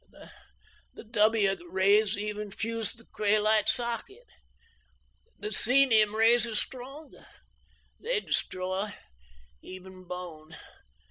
The W rays even fused the craolite socket. The psenium rays are stronger. They destroy even bone.